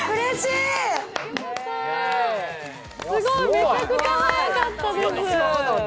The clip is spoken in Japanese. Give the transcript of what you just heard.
めちゃくちゃ早かったです。